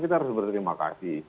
kita harus berterima kasih